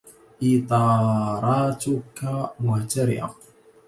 إطاراتك مهترئة.